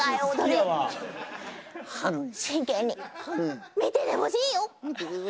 真剣に見ててほしいよ。